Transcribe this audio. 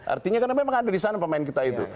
artinya karena memang ada di sana pemain kita itu